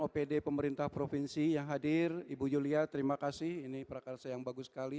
opd pemerintah provinsi yang hadir ibu yulia terima kasih ini prakarsa yang bagus sekali